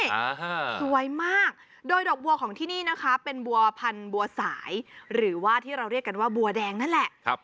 อ่าฮะสวยมากโดยดอกบัวของที่นี่นะคะเป็นบัวพันบัวสายหรือว่าที่เราเรียกกันว่าบัวแดงนั่นแหละครับ